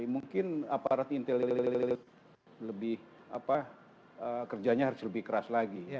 mungkin aparat intelijen lebih kerjanya harus lebih keras lagi